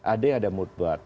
ada yang ada mood board